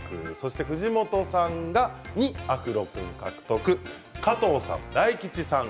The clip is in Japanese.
藤本さんが２アフロ君、獲得加藤さん、大吉さん